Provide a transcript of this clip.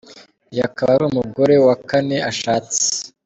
Uyu akaba ari umugore wa kane ashatse.